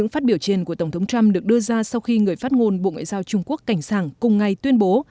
phát biểu trên của tổng thống trump được đưa ra sau khi người phát ngôn bộ ngoại giao trung quốc cảnh sảng cùng ngày tuyên bố